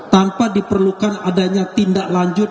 tanpa diperlukan adanya tindak lanjut